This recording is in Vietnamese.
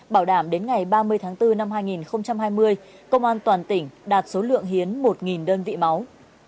bảo đảm đến ngày ba mươi tháng bốn năm hai nghìn hai mươi công an toàn tỉnh đạt số lượng hiến một đơn vị máu